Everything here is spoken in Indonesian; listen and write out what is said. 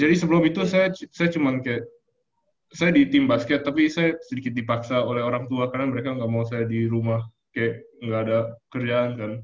jadi sebelum itu saya cuma kayak saya di tim basket tapi saya sedikit dipaksa oleh orang tua karena mereka nggak mau saya di rumah kayak nggak ada kerjaan kan